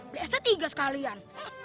biasa tiga sekalian